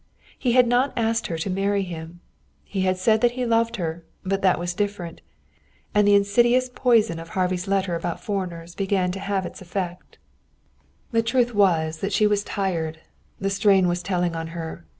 He had not asked her to marry him. He had said that he loved her, but that was different. And the insidious poison of Harvey's letter about foreigners began to have its effect. The truth was that she was tired. The strain was telling on her.